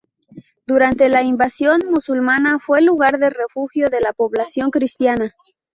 Durante la invasión musulmana fue lugar de refugio de la población cristiana.